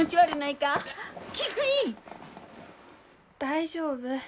大丈夫。